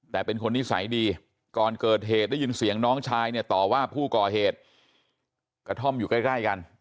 แต่เป็นคนนิสัยดีก่อนเกิดเหตุได้ยินเสียงน้องชายเนี่ยต่อว่าผู้ก่อเหตุกระท่อมอยู่ใกล้กัน